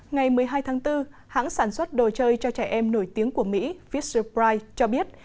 ngày một mươi hai tháng bốn hãng sản xuất đồ chơi cho trẻ em nổi tiếng của mỹ fisherpride cho biết